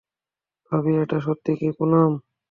ভাবি এটা সত্যি কী পুনাম?